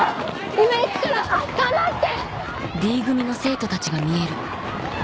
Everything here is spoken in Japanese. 今行くから！頑張って！